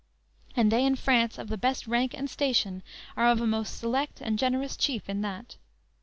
And they in France of the best rank and station Are of a most select and generous chief in that.